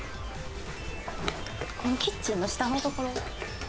このキッチンの下の所。